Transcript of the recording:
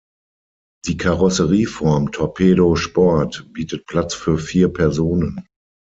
Die Karosserieform Torpedo Sport bietet Platz für vier Personen.